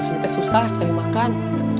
di sini susah cari makan